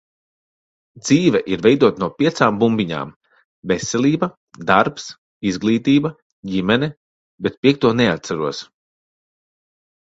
Dzīve ir veidota no piecām bumbiņām - veselība, darbs, izglītība, ģimene, bet piekto neatceros.